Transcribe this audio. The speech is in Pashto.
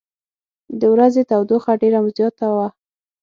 د ورځې تودوخه ډېره زیاته وه.